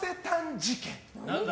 事件。